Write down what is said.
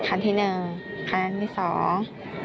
คันที่หนึ่งคันที่สอง